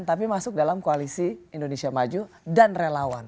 tapi masuk dalam koalisi indonesia maju dan relawan